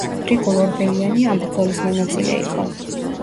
გრიგოლ ორბელიანი ამ ბრძოლის მონაწილე იყო.